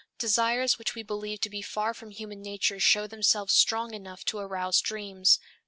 Desires which we believe to be far from human nature show themselves strong enough to arouse dreams.